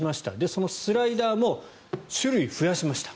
そのスライダーも種類、増やしました。